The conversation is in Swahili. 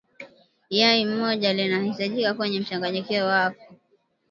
Yai moja litahitajika kwenye mchanganyiko wako